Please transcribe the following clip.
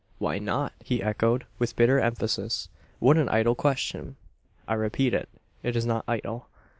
"Why not?" he echoed, with bitter emphasis. "What an idle question!" "I repeat it. It is not idle.